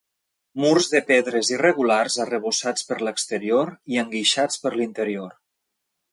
Murs de pedres irregulars arrebossats per l'exterior i enguixats per l'interior.